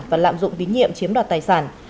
và lạm dụng tín nhiệm chiếm đoạt tài sản